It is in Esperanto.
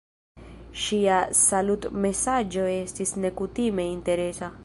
Ŝia salutmesaĝo estis nekutime interesa.